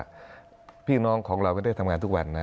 ต้องบอกคุณรศรินฐรินพี่น้องของเราไม่ได้ทำงานทุกวันนะ